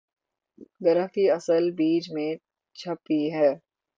درخت کی اصل بیج میں چھپی ہے۔